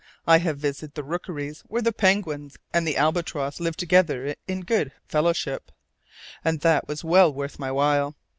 I have visited the rookeries where the penguin and the albatross live together in good fellowship, and that was well worth my while.